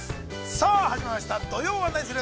さあ始まりました「土曜はナニする！？」